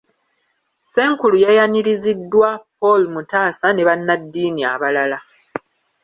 Ssenkulu yayaniriziddwa Paul Mutaasa ne bannaddiini abalala.